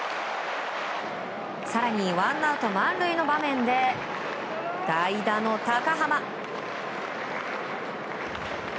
更にワンアウト満塁の場面で代打の高濱。